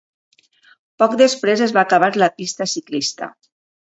Poc després es va acabar la pista ciclista.